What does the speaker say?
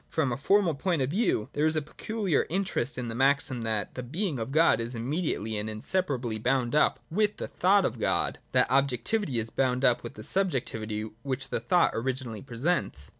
From a formal point of view, there is a peculiar interest in the maxim that the being of God is immediately and inseparably bound up with the thought of God, that objectivity is bound up with the subjectivity which the thought originally pre sents.